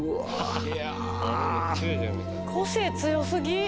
個性強すぎ！